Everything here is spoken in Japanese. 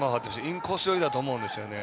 インコースだと思うんですよね。